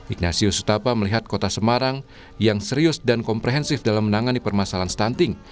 ignatius sutapa melihat kota semarang yang serius dan komprehensif dalam menangani permasalahan stunting